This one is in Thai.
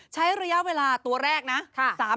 ใช้ระยะเวลาตัวแรกนะ